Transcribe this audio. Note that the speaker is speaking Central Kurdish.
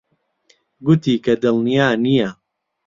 گوتی کە دڵنیا نییە.